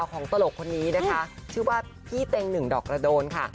ตลกคนนี้นะคะชื่อว่าพี่เต็งหนึ่งดอกระโดนค่ะ